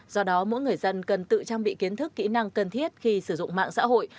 do đó mỗi người dân cần tự trang bị kiến thức kỹ năng cần thiết khi sử dụng mạng xã hội